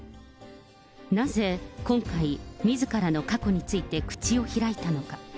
なぜ今回、みずからの過去について口を開いたのか。